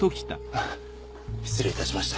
失礼いたしました。